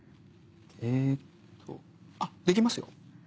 えっとあっできますよ。